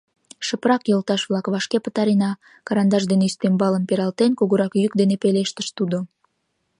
Шыпрак, йолташ-влак, вашке пытарена! — карандаш дене ӱстембалым пералтен, кугурак йӱк дене пелештыш тудо.